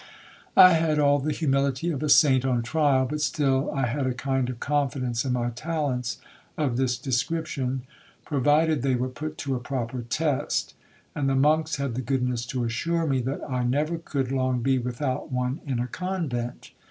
I had all the humility of a saint on trial; but still I had a kind of confidence in my talents of this description, provided they were put to a proper test; and the monks had the goodness to assure me, that I never could long be without one in a convent.